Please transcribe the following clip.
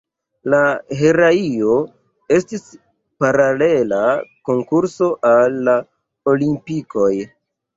La heraio estis paralela konkurso al la Olimpikoj.